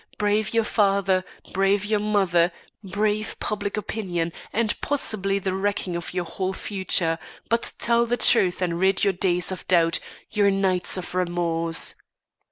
Brave your father, brave your mother, brave public opinion and possibly the wrecking of your whole future, but tell the truth, and rid your days of doubt, your nights of remorse."